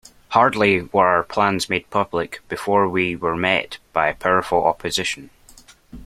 Hardly were our plans made public before we were met by powerful opposition.